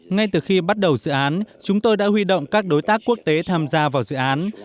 ngay từ khi bắt đầu dự án chúng tôi đã huy động các đối tác quốc tế tham gia vào dự án